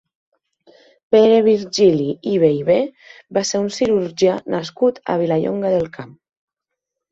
Pere Virgili i Bellver va ser un cirurgià nascut a Vilallonga del Camp.